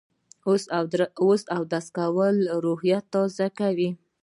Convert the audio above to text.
اودس کول روح تازه کوي